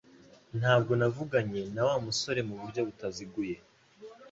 Ntabwo navuganye na Wa musore mu buryo butaziguye